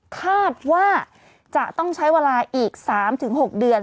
คาดว่าจะต้องใช้เวลาอีก๓๖เดือน